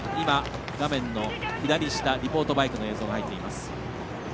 画面の左下、リポートバイクの映像が入っています。